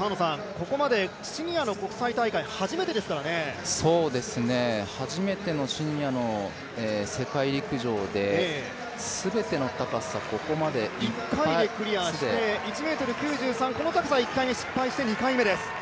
ここまでシニアの国際大会、初めてのシニアの世界陸上で全ての高さ、ここまで１ｍ９３、この高さは１回目失敗して２回目です。